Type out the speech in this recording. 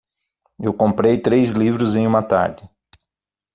Eu comprei três livros em uma tarde.